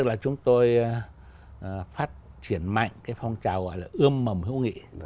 là ươm mầm hữu nghị